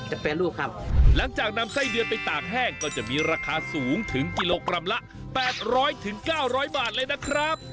หลังจากนำไส้เดือนไปตากแห้งก็จะมีราคาสูงถึงกิโลกรัมละ๘๐๐๙๐๐บาทเลยนะครับ